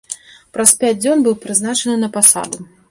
Праз пяць дзён быў прызначаны на пасаду.